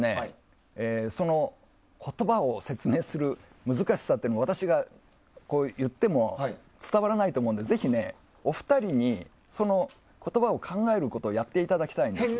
言葉を説明する難しさは私が言っても伝わらないと思うのでぜひ、お二人にその言葉を考えることをやっていただきたいんです。